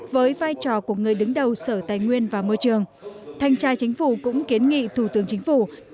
với vai trò của người đứng đầu sở tài nguyên và môi trường thanh tra chính phủ cũng kiến nghị thủ tướng chính phủ